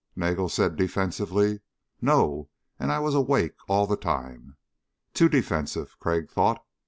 Nagel said defensively: "No, and I was awake all the time." Too defensive, Crag thought.